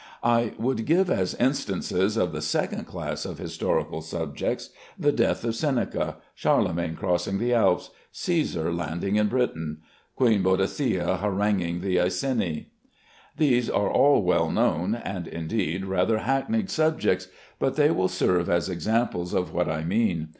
I would give as instances of the second class of historical subjects: "The Death of Seneca"; "Charlemagne Crossing the Alps"; "Cæsar Landing in Britain"; "Queen Boadicea Haranguing the Iceni." These are all well known, and, indeed, rather hackneyed subjects, but they will serve as examples of what I mean.